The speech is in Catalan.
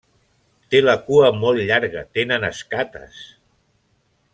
Té la cua molt llarga, tenen escates.